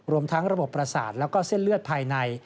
รวมทั้งระบบประสาทแล้วก็เส้นเลือดภายใน